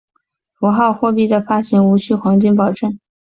符号货币的发行无须黄金保证。